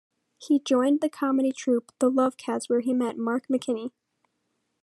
He joined the comedy troupe "The Love Cats", where he met Mark McKinney.